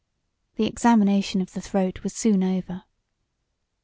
The examination of the throat was soon over.